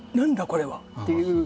これは」っていう。